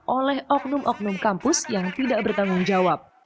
oleh oknum oknum kampus yang tidak bertanggung jawab